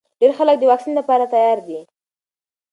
ډېر خلک د واکسین لپاره تیار دي.